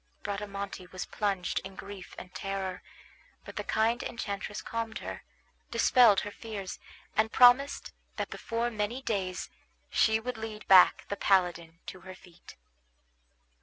Bradamante was plunged in grief and terror; but the kind enchantress calmed her, dispelled her fears, and promised that before many days she would lead back the paladin to her feet.